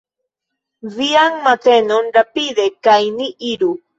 Vian mantelon, rapide, kaj ni iru!